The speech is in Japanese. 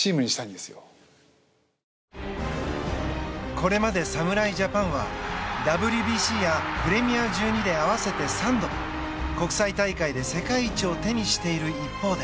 これまで侍ジャパンはＷＢＣやプレミア１２で合わせて３度、国際大会で世界一を手にしている一方で